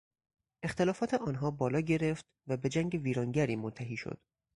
اختلافات آنها بالا گرفت و به جنگ ویرانگری منتهی شد.